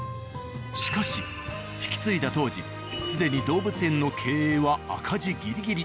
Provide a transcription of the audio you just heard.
しかし引き継いだ当時既に動物園の経営は赤字ギリギリ。